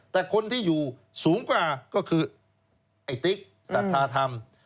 แต่คนที่อยู่สูงกว่าก็คือไอ้ติ๊กสัทธาธรรม